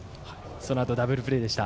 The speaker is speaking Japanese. そのあとダブルプレーでした。